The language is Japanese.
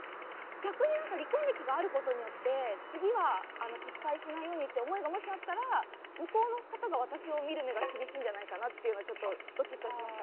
逆になんか離婚歴がある事によって次は失敗しないようにって思いがもしあったら向こうの方が私を見る目が厳しいんじゃないかなっていうのはちょっとドキッとしました。